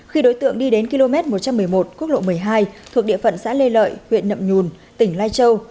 khi đối tượng đi đến km một trăm một mươi một quốc lộ một mươi hai thuộc địa phận xã lê lợi huyện nậm nhùn tỉnh lai châu